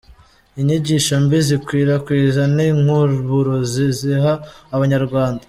Inyigisho mbi zikwirakwiza ni nk’ uburozi ziha abanyarwanda.